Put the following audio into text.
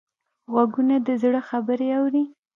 غوږونه د زړه خبرې اوري